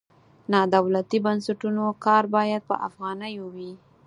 د نادولتي بنسټونو کار باید په افغانیو وي.